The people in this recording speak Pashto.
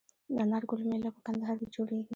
د انار ګل میله په کندهار کې جوړیږي.